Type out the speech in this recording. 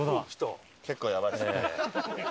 結構やばいですね。